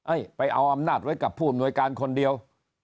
เอ้ยไปเอาอำนาจไว้กับผู้หน่วยการคนเดียว